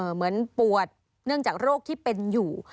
เหมือนปวดเนื่องจากโรคที่เป็นอยู่